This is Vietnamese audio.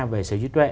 về sở hữu trí tuệ